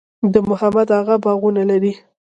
د محمد اغه باغونه لري